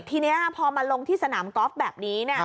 ทีนี้พอมาลงที่สนามกอล์ฟแบบนี้